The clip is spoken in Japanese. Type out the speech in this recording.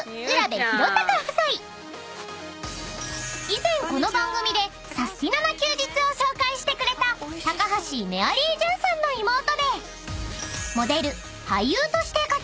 ［以前この番組でサスティなな休日を紹介してくれた高橋メアリージュンさんの妹で］